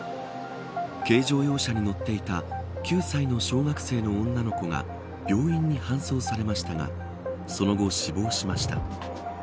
軽乗用車に乗っていた９歳の小学生の女の子が病院に搬送されましたがその後、死亡しました。